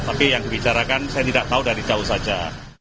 tapi yang dibicarakan saya tidak tahu dari jauh saja